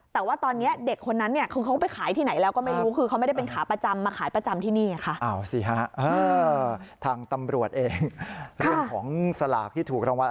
แต่ว่าตอนนี้เด็กคนนั้นเขาก็ไปขายที่ไหนแล้วก็ไม่รู้